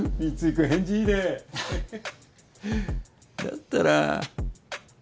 だったら。